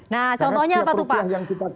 nah contohnya apa tuh pak